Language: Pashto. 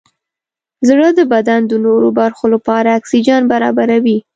زړه د بدن د نورو برخو لپاره اکسیجن برابروي.